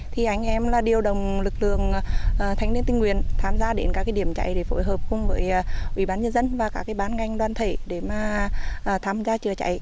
thì anh em là điều động lực lượng thanh niên tinh nguyên tham gia đến các điểm chạy để phối hợp cùng với ủy ban nhân dân và các bán ngành đoàn thể để tham gia chữa cháy